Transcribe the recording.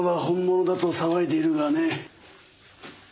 本物だと騒いでいるがね。